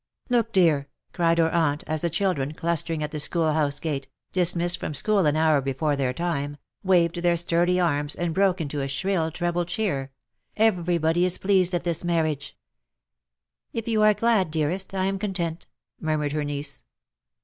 '^Look; dear/' cried her aunt, as the children, clustering at the school house gate — dismissed from school an hour before their time — waved their sturdy arms, and broke into a shrill treble cheer^ *' everybody is pleased at this marriage.'^ ARE MUTE FOR EVER." 3137 " If you are glad;, dearest^ I am content/^ mur mured her niece.